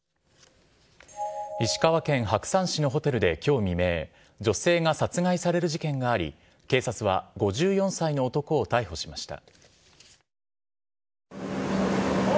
石川県白山市のホテルできょう未明、女性が殺害された事件があり、警察は５４歳の男を逮捕しました。